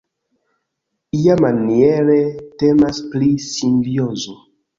Iamaniere temas pri simbiozo.